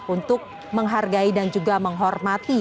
untuk menghargai dan juga menghormati